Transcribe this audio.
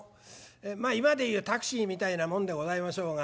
まあ今で言うタクシーみたいなもんでございましょうが。